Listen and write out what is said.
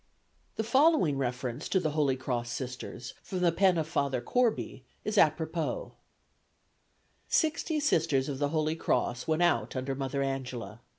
The following reference to the Holy Cross Sisters from the pen of Father Corby is apropos: "Sixty Sisters of the Holy Cross went out under Mother Angela.